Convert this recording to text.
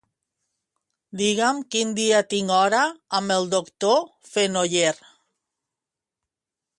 Digue'm quin dia tinc hora amb el doctor Fenoller.